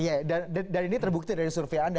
iya dan ini terbukti dari survei anda